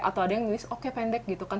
atau ada yang nulis oke pendek gitu kan